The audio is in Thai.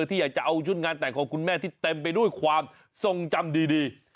ที่อยากจะเอาชุดงานแต่งของคุณแม่ที่เต็มไปด้วยความทรงจำดี